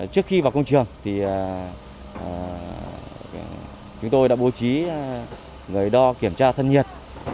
trước khi vào công trường thì chúng tôi đã bố trí người đo kiểm tra thân nhiệt